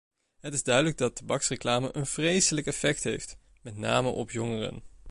Het is duidelijk dat tabaksreclame een vreselijk effect heeft, met name op jongeren.